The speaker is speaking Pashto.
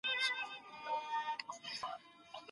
دا ناول زما د ژوند لومړی کتاب و.